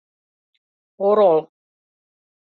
Орол.